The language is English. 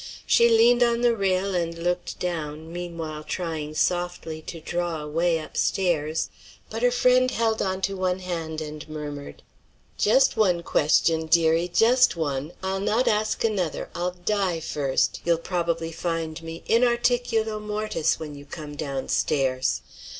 She leaned on the rail and looked down, meanwhile trying softly to draw away up stairs; but her friend held on to one hand and murmured: "Just one question, dearie, just one. I'll not ask another: I'll die first. You'll probably find me in articulo mortis when you come down stairs.